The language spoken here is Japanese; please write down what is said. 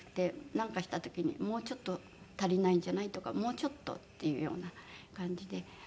なんかした時に「もうちょっと足りないんじゃない？」とか「もうちょっと」っていうような感じで。